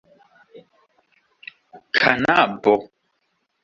kanabo